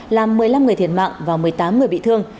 làm một mươi năm người thiệt mạng và một mươi tám người bị thương